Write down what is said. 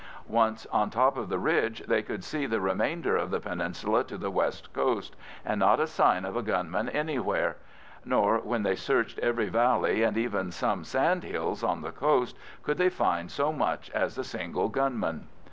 Once on top of the ridge they could see the remainder of the peninsula to the west coast, and not a sign of a gunman anywhere; nor when they searched every valley and even some sand hills on the coast could they find so much as a single gunman.